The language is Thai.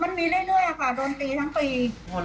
มันมีเรื่อยค่ะโดนตีทั้งตี